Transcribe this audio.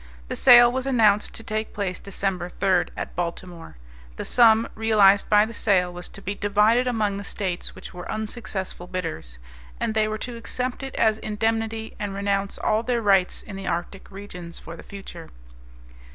The sale was announced to take place Dec. 3, at Baltimore. The sum realized by the sale was to be divided among the States which were unsuccessful bidders, and they were to accept it as indemnity and renounce all their rights in the Arctic regions for the future.